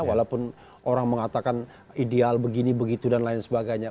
walaupun orang mengatakan ideal begini begitu dan lain sebagainya